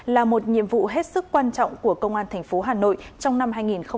là một nhiệm vụ hết sức quan trọng của công an thành phố hà nội trong năm hai nghìn hai mươi ba